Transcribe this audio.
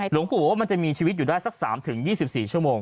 หลวงปู่บอกว่ามันจะมีชีวิตอยู่ได้สัก๓๒๔ชั่วโมง